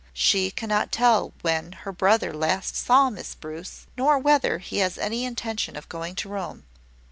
She cannot tell when her brother last saw Miss Bruce, nor whether he has any intention of going to Rome.